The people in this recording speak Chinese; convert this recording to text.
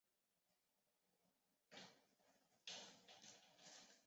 鞘山芎为伞形科山芎属的植物。